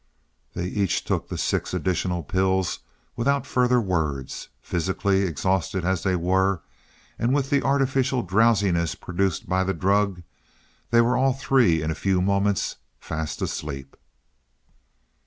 They each took the six additional pills without further words. Physically exhausted as they were, and with the artificial drowsiness produced by the drug, they were all three in a few moments fast asleep.